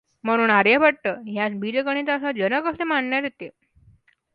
म्हणून आर्यभट्ट यास बीजगणिताचा जनक असे मानण्यात येते.